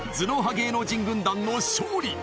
芸能人軍団の勝利！